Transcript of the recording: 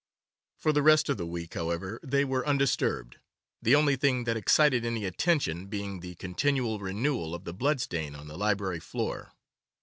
For the rest of the week, however, they were undisturbed, the only thing that excited any attention being the continual renewal of the blood stain on the library floor.